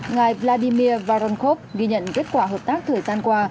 ngài vladimir varon ghi nhận kết quả hợp tác thời gian qua